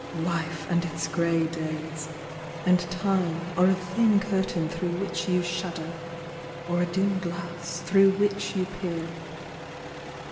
Life and its grey days, and time Are a thin curtain through which you shadow, Or a dim glass through which you peer.